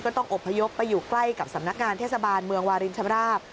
ต้องอบพยพไปอยู่ใกล้กับสำนักงานเทศบาลเมืองวารินชำราบ